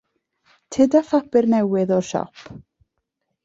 Tyd â phapur newydd o'r siop.